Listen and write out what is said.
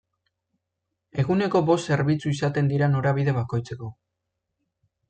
Eguneko bost zerbitzu izaten dira norabide bakoitzeko.